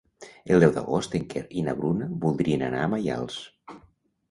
El deu d'agost en Quer i na Bruna voldrien anar a Maials.